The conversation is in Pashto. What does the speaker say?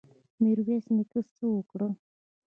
میرویس نیکه څه وکړل؟